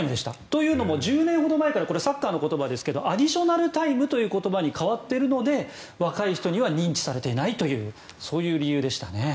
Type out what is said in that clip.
というのも１０年ほど前からこれはサッカーの言葉ですがアディショナルタイムという言葉に変わっているので若い人には認知されていないというそういう理由でしたね。